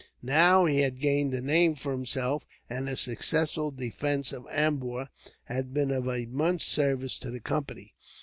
Now he had gained a name for himself, and his successful defence of Ambur had been of immense service to the Company.